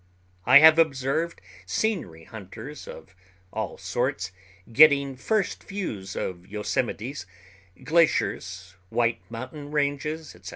I have observed scenery hunters of all sorts getting first views of yosemites, glaciers, White Mountain ranges, etc.